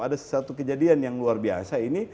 ada sesuatu kejadian yang luar biasa ini